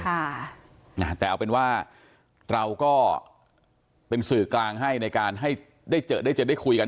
แต่เอาเป็นว่าเราก็เป็นสื่อกลางให้ในการให้ได้เจอได้เจอได้คุยกัน